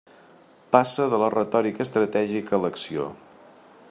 Passa de la retòrica estratègica a l'acció.